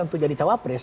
untuk jadi cawapres